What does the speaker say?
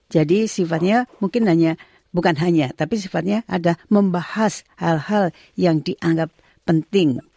jadi sifatnya mungkin hanya bukan hanya tapi sifatnya ada membahas hal hal yang dianggap penting